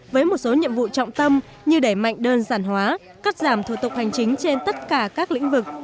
với một số nhiệm vụ trọng tâm như đẩy mạnh đơn giản hóa cắt giảm thủ tục hành chính trên tất cả các lĩnh vực